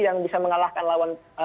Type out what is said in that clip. yang bisa mengalahkan lawan